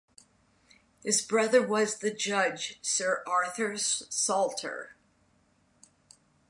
His brother was the judge Sir Arthur Salter.